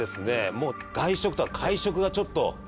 もう外食とか会食がちょっと。